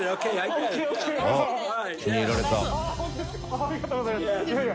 ありがとうございます。